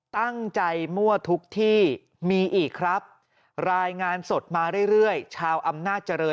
ตั้งใจมั่วทุกที่มีอีกครับรายงานสดมาเรื่อยเรื่อยชาวอำนาจเจริญ